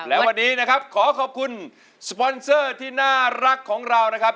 และวันนี้นะครับขอขอบคุณสปอนเซอร์ที่น่ารักของเรานะครับ